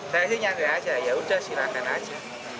saya nyagel aja yaudah silahkan aja